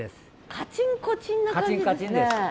カチンコチンな感じですね。